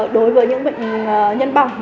đối với những bệnh nhân bỏng